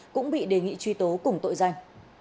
cũng bị đề nghị truy tố cùng tội danh